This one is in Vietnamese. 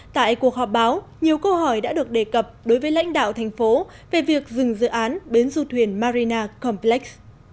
tại cuộc họp báo nhiều câu hỏi đã được đề cập đối với lãnh đạo thành phố về việc dừng dự án bến du thuyền marina complex